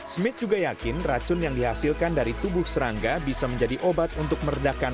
smith juga yakin racun yang dihasilkan dari tubuh serangga bisa menjadi obat untuk meredakan